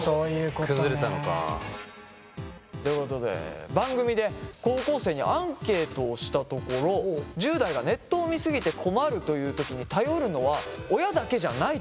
崩れたのか。ということで番組で高校生にアンケートをしたところ１０代がネットを見過ぎて困るという時に頼るのは親だけじゃないということが分かりました。